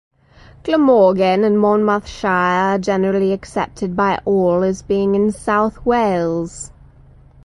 Glamorgan and Monmouthshire are generally accepted by all as being in south Wales.